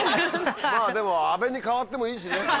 まぁでも阿部に代わってもいいしね。